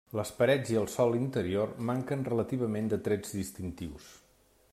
Les parets i el sòl interior manquen relativament de trets distintius.